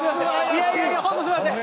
いやいやいやほんとすいません。